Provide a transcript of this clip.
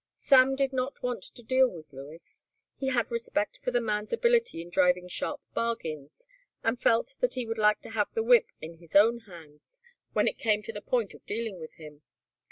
Sam did not want to deal with Lewis. He had respect for the man's ability in driving sharp bargains and felt that he would like to have the whip in his own hands when it came to the point of dealing with him.